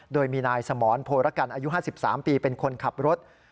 โดยมีนายสมรโพรกันอายุ๕๓ปีเป็นคนขับรถ